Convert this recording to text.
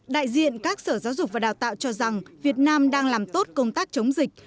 đại diện các sở giáo dục và đào tạo cho rằng việt nam đang làm tốt công tác chống dịch